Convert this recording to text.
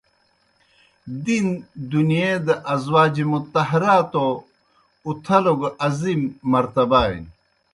دین دنیے دہ ازوج مطہراتو اُتھلوْ گہ عظیم مرتبہ نیْ۔